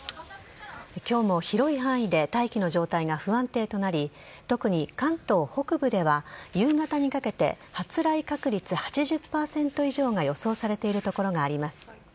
今日も広い範囲で大気の状態が不安定となり特に関東北部では、夕方にかけて発雷確率８０％以上が予想されている所があります。